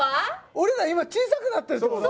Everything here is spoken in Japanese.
俺ら今小さくなってるってこと？